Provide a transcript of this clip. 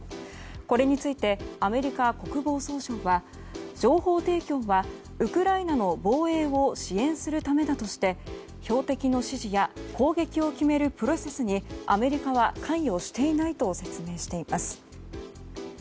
これについてアメリカ国防総省は情報提供はウクライナの防衛を支援するためだとして標的の指示や攻撃を決めるプロセスにアメリカは関与していないと説明しています。